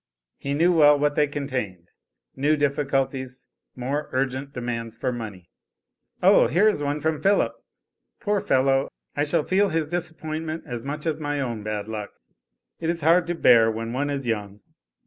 He knew well what they contained, new difficulties, more urgent demands for money. "Oh, here is one from Philip. Poor fellow. I shall feel his disappointment as much as my own bad luck. It is hard to bear when one is young."